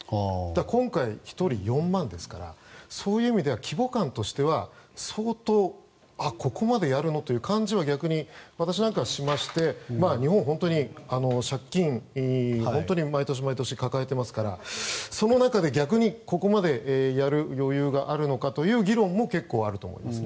今回は１人４万円ですからそういう意味では規模感としては相当、ここまでやるの？という感じは私なんかはしまして日本、本当に借金を毎年毎年抱えていますからその中で逆に、ここまでやる余裕があるのかという議論も結構あると思います。